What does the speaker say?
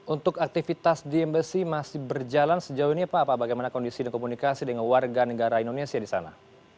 untuk aktivitas di embesi masih berjalan sejauh ini pak bagaimana kondisi dan komunikasi dengan warga negara indonesia di sana